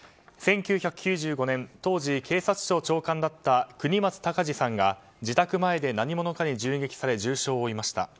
１９９５年当時警察庁長官だった国松孝次さんが自宅前で何者かに銃撃され重傷を負いました。